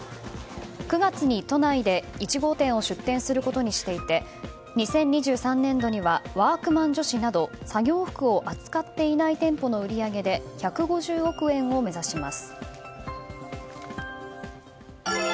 ９月に都内で１号店を出店することにしていて２０２３年度にはワークマン女子など作業服を扱っていない店舗の売り上げで１５０億円を目指します。